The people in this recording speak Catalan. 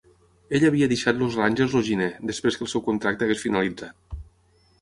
Ell havia deixat els Rangers el gener després que el seu contracte hagués finalitzat.